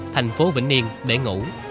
thành phố vĩnh niên để ngủ